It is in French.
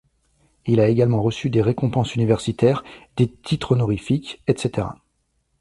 Il a également reçu des récompenses universitaires, des titres honorifiques, etc.